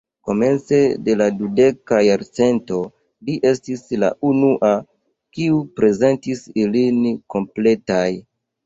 Komence de la dudeka jarcento li estis la unua, kiu prezentis ilin kompletaj.